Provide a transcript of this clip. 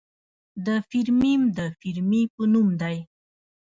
د فیرمیم د فیرمي په نوم دی.